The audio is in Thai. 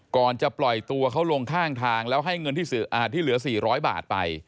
ก่อนจะปล่อยตัวเขาลงข้างทางแล้วให้เงินที่เหลือ๔๐๐บาทไป